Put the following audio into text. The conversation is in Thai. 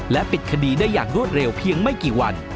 ปิดคดีได้อย่างรวดเร็วเพียงไม่กี่วัน